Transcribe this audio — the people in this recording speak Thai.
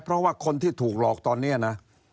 เพราะว่าคนที่ถูกหลอกตอนนี้นะ